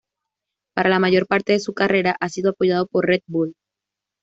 Para la mayor parte de su carrera ha sido apoyado por Red Bull.